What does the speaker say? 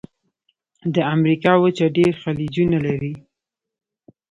د امریکا وچه ډېر خلیجونه لري.